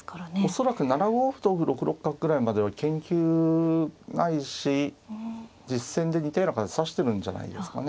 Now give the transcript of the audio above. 恐らく７五歩同歩６六角ぐらいまでは研究ないし実戦で似たような形を指してるんじゃないですかね。